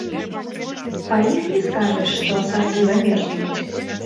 Па іх не скажаш, што асабліва мерзнуць.